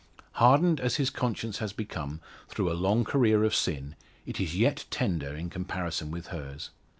Hardened as his conscience has become through a long career of sin, it is yet tender in comparison with hers.